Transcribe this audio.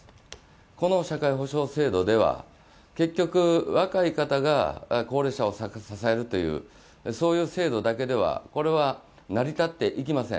この社会保障制度では結局、若い方が高齢者を支えるというそういう制度だけではこれは成り立っていきません。